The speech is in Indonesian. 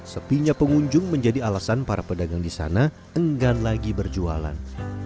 sepinya pengunjung menjadi alasan para pedagang di sana enggan lagi berjualan